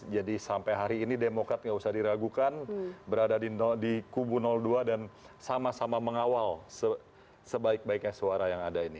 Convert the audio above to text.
jadi sampai hari ini demokrat nggak usah diragukan berada di kubu dua dan sama sama mengawal sebaik baiknya suara yang ada ini